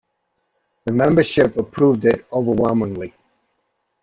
The membership approved it overwhelmingly.